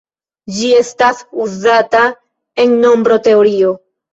Ĝi estas uzata en nombroteorio.